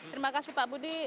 terima kasih pak budi